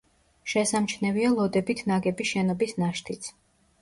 შესამჩნევია ლოდებით ნაგები შენობის ნაშთიც.